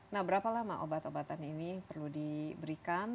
nah berapa lama obat obatan ini perlu diberikan